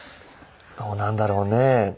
どうなんだろうね。